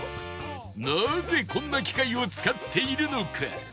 なぜこんな機械を使っているのか？